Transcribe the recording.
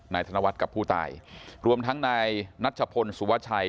ธนวัฒน์กับผู้ตายรวมทั้งนายนัชพลสุวชัย